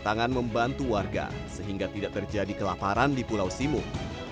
tangan membantu warga sehingga tidak terjadi kelaparan di pulau simuk